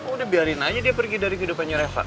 udah biarin aja dia pergi dari kehidupannya reva